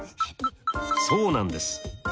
そうなんです。